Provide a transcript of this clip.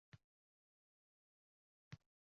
Men ingliz tilida yomon gaplashaman.